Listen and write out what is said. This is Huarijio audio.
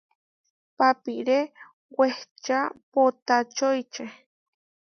Papiré wehčá poʼtačoiče.